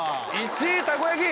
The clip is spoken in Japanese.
１位たこ焼き。